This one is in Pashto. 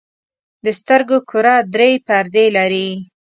د سترګو کره درې پردې لري.